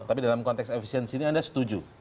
tapi dalam konteks efisiensi ini anda setuju